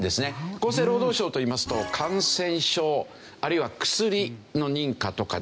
厚生労働省といいますと感染症あるいは薬の認可とかですね